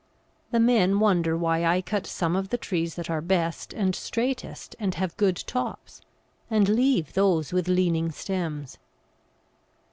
The men wonder why I cut some of the trees that are best and straightest and have good tops, and leave those with leaning stems.